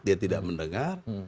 dia tidak mendengar